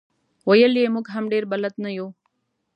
ویل یې موږ هم ډېر بلد نه یو.